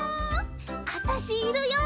あたしいるよ。